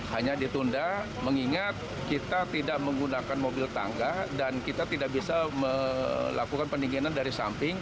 hanya ditunda mengingat kita tidak menggunakan mobil tangga dan kita tidak bisa melakukan pendinginan dari samping